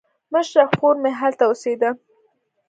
مشره خور مې هلته اوسېده.